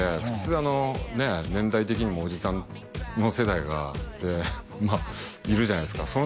普通あのねえ年代的にもオジサンの世代がいるじゃないですか